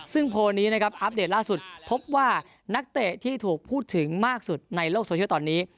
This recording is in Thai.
ซึ่งโพลนี้นะครับอัปเดตล่าสุดพบว่านักเตะที่ถูกพูดถึงมากสุดในโลกโซเชียลตอนนี้